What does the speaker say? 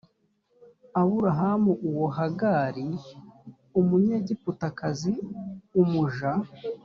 aburahamu uwo hagari umunyegiputakazi umuja